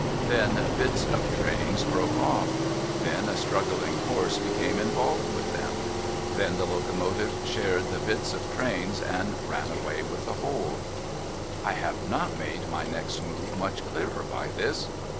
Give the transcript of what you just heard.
Then, bits of trains broke off. Then, a struggling horse became involved with them. Then, the locomotives shared the bits of trains, and ran away with the whole. THE FACE AT THE WINDOW 423 ' I have not made my next move much clearer by this.